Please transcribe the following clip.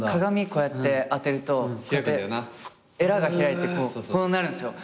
こうやって当てるとえらが開いてこうなるんすよ。